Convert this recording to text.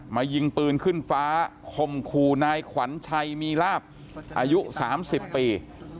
ยิงปืนขึ้นฟ้าคมคู่นายขวัญชัยมีลาบอายุ๓๐ปี